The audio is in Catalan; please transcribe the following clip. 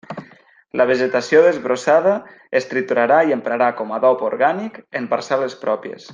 La vegetació desbrossada es triturarà i emprarà com adob orgànic en parcel·les pròpies.